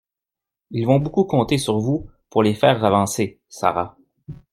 Ils vont beaucoup compter sur vous pour les faire avancer, Sara.